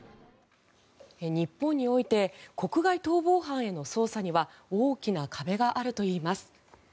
日本において国外逃亡犯への捜査には大きな壁があるといいます。